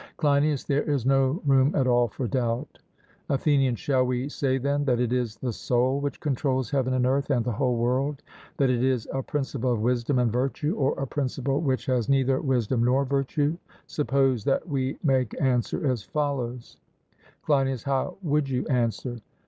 CLEINIAS: There is no room at all for doubt. ATHENIAN: Shall we say then that it is the soul which controls heaven and earth, and the whole world? that it is a principle of wisdom and virtue, or a principle which has neither wisdom nor virtue? Suppose that we make answer as follows: CLEINIAS: How would you answer?